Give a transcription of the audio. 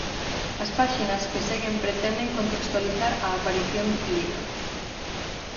As páxinas que seguen pretenden contextualizar a aparición libro.